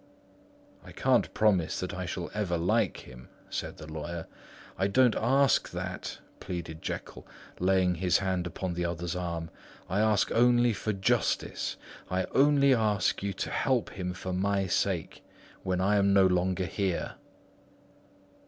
"I can't pretend that I shall ever like him," said the lawyer. "I don't ask that," pleaded Jekyll, laying his hand upon the other's arm; "I only ask for justice; I only ask you to help him for my sake, when I am no longer here."